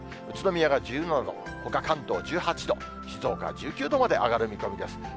宇都宮が１７度、ほか関東１８度、静岡１９度まで上がる見込みです。